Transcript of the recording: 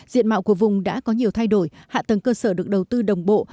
diện mạo của vùng đã có nhiều thay đổi hạ tầng cơ sở được đầu tư đồng bộ